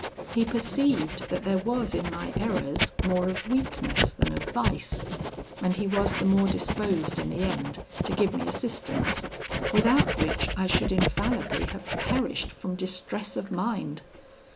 He perceived that there was in my errors more of weakness than of vice; and he was the more disposed in the end to give me assistance; without which I should infallibly have perished from distress of mind.